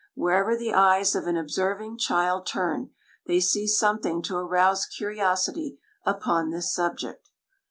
Wherever the eyes of an observing child turn, they see something to arouse curiosity upon this subject.